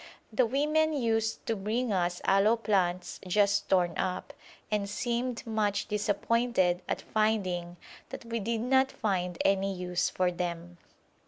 The women used to bring us aloe plants just torn up, and seemed much disappointed at finding that we did not find any use for them.